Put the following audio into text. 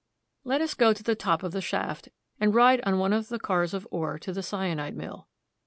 Let us go to the top of the shaft, and ride on one of the cars of ore to the cyanide mill.